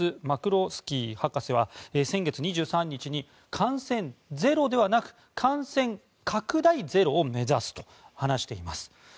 マクロスキー博士は先月２３日に感染ゼロではなく感染拡大ゼロを目指すと話しています。